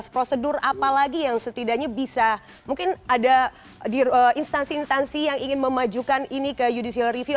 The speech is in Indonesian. prosedur apa lagi yang setidaknya bisa mungkin ada di instansi instansi yang ingin memajukan ini ke judicial review